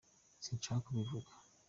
sinshaka kubivuga